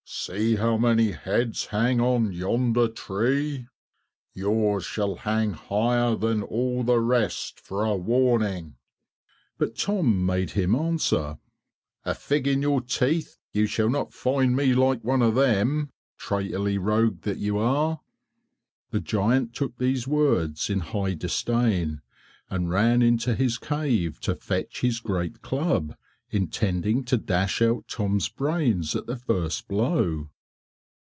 See how many heads hang on yonder tree. Yours shall hang higher than all the rest for a warning." But Tom made him answer, "A fig in your teeth you shall not find me like one of them, traitorly rogue that you are." The giant took these words in high disdain, and ran into his cave to fetch his great club, intending to dash out Tom's brains at the first blow.